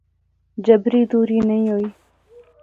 جبری دوری نئیں ہوںی